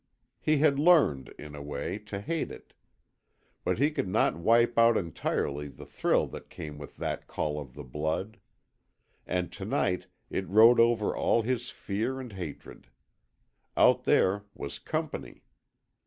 He had learned, in a way, to hate it. But he could not wipe out entirely the thrill that came with that call of the blood. And to night it rode over all his fear and hatred. Out there was COMPANY.